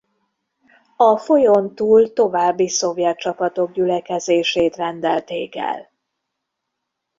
A folyón túl további szovjet csapatok gyülekezését rendelték el.